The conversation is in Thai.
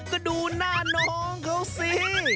ก็ดูหน้าน้องเขาสิ